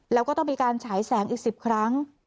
แล้วก็ต้องมีการฉายแสงอีก๑๐ครั้ง